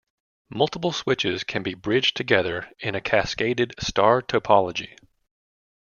Multiple switches can be bridged together in a cascaded star topology.